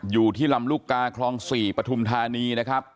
อยู่ที่ลำลูกกาคลอง๔ปฐุมธานีนะครับ